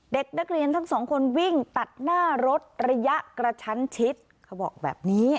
เด็กนักเรียนทั้งสองคนวิ่งตัดหน้ารถระยะกระชั้นชิดเขาบอกแบบนี้